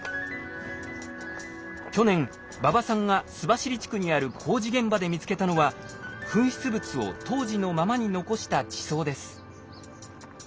去年馬場さんが須走地区にある工事現場で見つけたのは噴出物を当時のままに残した地層です。